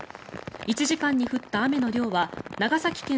１時間に降った雨の量は長崎県